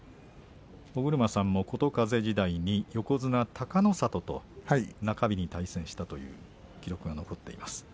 尾車さんも琴風時代に横綱隆の里と中日に対戦したという記録が残っています。